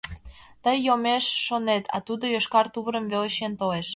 Тый йомеш шонет, а тудо йошкар тувырым веле чиен толеш.